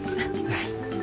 はい。